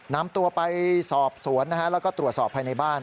นำตัวไปสอบสวนนะฮะแล้วก็ตรวจสอบภายในบ้าน